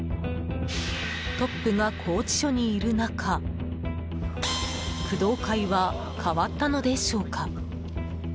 トップが拘置所にいる中工藤会は変わったのでしょうか。